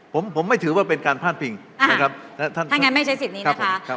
ผมไม่ถือว่าเป็นการพ่านปิ่งถ้างั้นไม่ใช้สิทธิ์นี้นะคะ